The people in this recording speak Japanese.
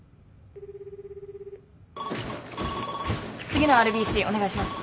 ☎次のＲＢＣお願いします。